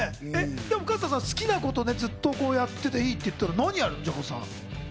でも加藤さん、好きなことずっとやってていいって言われたら何やる？